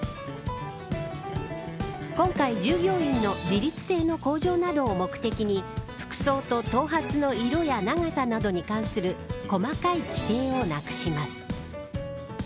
今回、従業員の自律性の向上などを目的に服装や頭髪の色や長さなどに関する細かい規定をなくします。